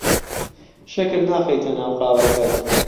شەکر ناخەیتە ناو قاوەکەت.